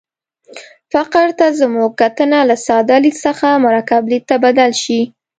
فقر ته زموږ کتنه له ساده لید څخه مرکب لید ته بدله شي.